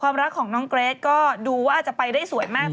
รักของน้องเกรทก็ดูว่าจะไปได้สวยมาก